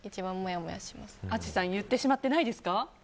淳さん言ってしまってないですか。